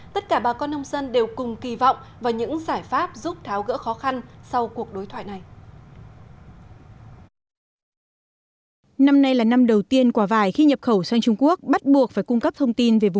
tất cả bà con nông dân đều cùng kỳ vọng vào những giải pháp giúp tháo gỡ khó khăn sau cuộc đối thoại này